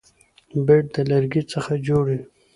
بیټ د لرګي څخه جوړ يي.